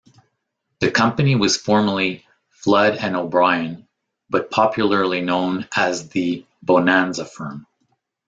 The company was formally "Flood and O'Brien", but popularly known as the "Bonanza Firm".